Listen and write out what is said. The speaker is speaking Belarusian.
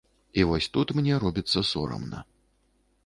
І вось тут мне робіцца сорамна.